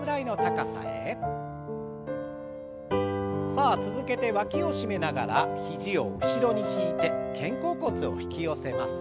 さあ続けてわきを締めながら肘を後ろに引いて肩甲骨を引き寄せます。